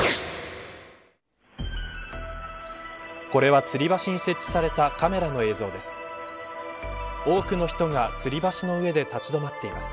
これは、つり橋に設置されたカメラの映像です。